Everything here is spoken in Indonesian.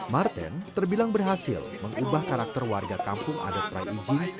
marten terbilang berhasil mengubah karakter warga kampung adat prai ijin